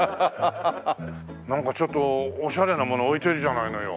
なんかちょっとオシャレなもの置いてるじゃないのよ。